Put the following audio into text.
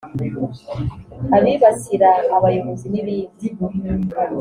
abibasira abayobozi n’ibindi